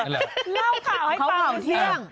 เล่าข่าวให้ข่าวเที่ยง